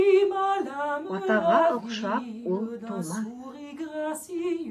Атаға оҡшап ул тыумаҫ